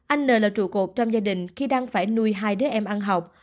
anh n là trụ cột trong gia đình khi đang phải nuôi hai đứa em ăn học